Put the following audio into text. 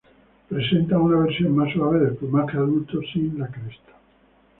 Presentan una versión más suave del plumaje adulto, sin la cresta.